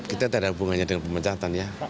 kita tidak ada hubungannya dengan pemecatan ya